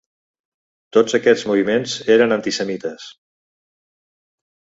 Tots aquests moviments eren antisemites.